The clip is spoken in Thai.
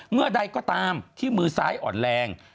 เมื่อใดก็ตามที่มือซ้ายอ่อนแรง